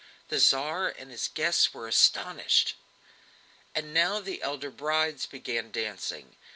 The Tsar and his guests were astonished. And now the elder brides began dancing.